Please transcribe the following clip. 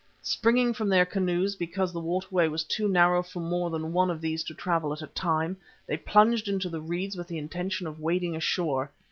Springing from their canoes because the waterway was too narrow for more than one of these to travel at a time, they plunged into the reeds with the intention of wading ashore.